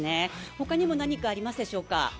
他にも何かありますでしょうか？